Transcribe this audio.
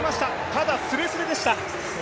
ただ、スレスレでした。